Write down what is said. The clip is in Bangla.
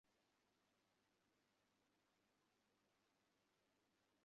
অপু বলিল, চিনি কিসের করবি রে দিদি?